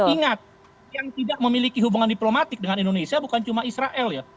ingat yang tidak memiliki hubungan diplomatik dengan indonesia bukan cuma israel ya